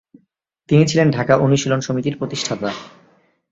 তিনি ছিলেন ঢাকা অনুশীলন সমিতির প্রতিষ্ঠাতা।